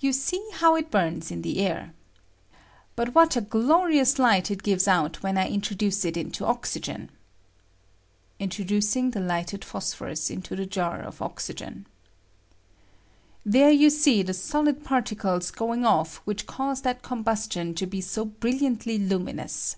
You see how it bums in the air. But what a glorious 118 PHOSPHORUS BDRNING IN OXYljKN. light it gives ont when I introduce it into oxy n I pjitrodueiiLg the lighted phosphorus I into the jar of oxygen.] There you see the ' Bolid particles going off which cause that com bustion to be so brilliantly luminous.